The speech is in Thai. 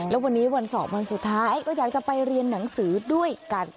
แล้ววันนี้วันสอบวันสุดท้ายก็อยากจะไปเรียนหนังสือด้วยกัน